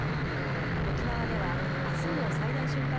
沖縄ではあすも最大瞬間